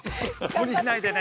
無理しないでね。